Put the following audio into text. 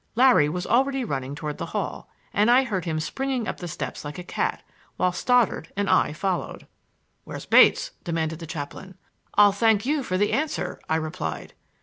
Larry was already running toward the hall, and I heard him springing up the steps like a cat, while Stoddard and I followed. "Where's Bates?" demanded the chaplain. "I'll thank you for the answer," I replied.